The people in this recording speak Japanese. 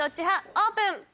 オープン！